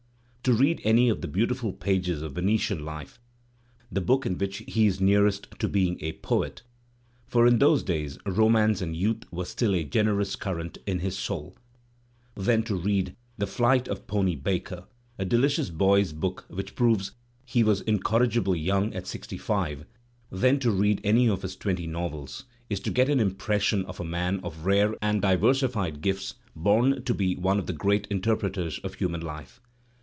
To read any of the beautiful pages of "Venetian life" (the book in which he is nearest to being a poet, for in those days romance and youth were still a generous current in his soul) — then to read "The FUght of Pony Baker," a deUdous boy's book which proves that he was incorrigibly young at sixty five — then to read any of his twenty novels — is to get an impression of a man of rare and diversified gifts bom to be one of the great interpreters of human life.